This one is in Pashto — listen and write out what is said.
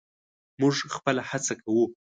موږ خپله هڅه کوو.